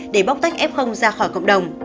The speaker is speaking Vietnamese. để bóc tách f ra khỏi cộng đồng